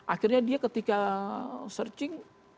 akhirnya dia ketika searching